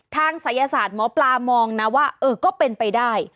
ศัยศาสตร์หมอปลามองนะว่าเออก็เป็นไปได้